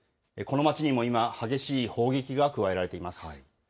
この街にも今、激しい砲撃が加えられています。